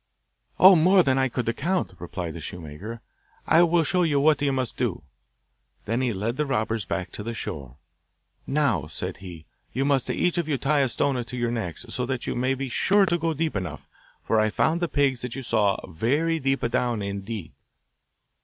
'Oh, more than I could count,' replied the shoemaker. 'I will show you what you must do.' Then he led the robbers back to the shore. 'Now,' said he, 'you must each of you tie a stone to your necks, so that you may be sure to go deep enough, for I found the pigs that you saw very deep down indeed.